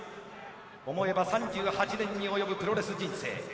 思えば３８年に及ぶプロレス人生。